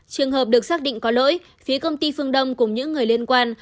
trường hợp được xác định có lỗi phía công ty phương đông cùng những người liên quan